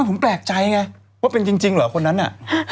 ผมแปลกใจไงว่าเป็นจริงเหรอคนนั้นน่ะ